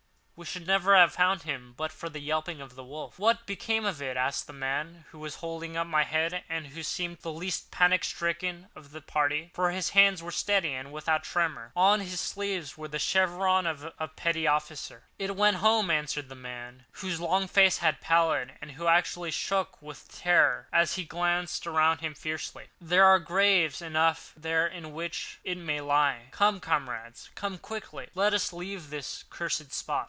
We should never have found him but for the yelping of the wolf." "What became of it?" asked the man who was holding up my head, and who seemed the least panic stricken of the party, for his hands were steady and without tremor. On his sleeve was the chevron of a petty officer. "It went to its home," answered the man, whose long face was pallid, and who actually shook with terror as he glanced around him fearfully. "There are graves enough there in which it may lie. Come, comrades—come quickly! Let us leave this cursed spot."